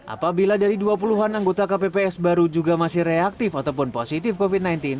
apabila dari dua puluh an anggota kpps baru juga masih reaktif ataupun positif covid sembilan belas